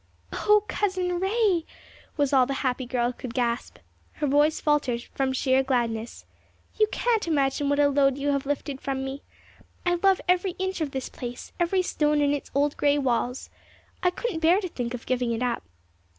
"O, Cousin Ray!" was all the happy girl could gasp. Her voice faltered from sheer gladness. "You can't imagine what a load you have lifted from me. I love every inch of this place, every stone in its old gray walls. I couldn't bear to think of giving it up.